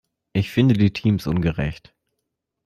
Ich finde die Teams ungerecht.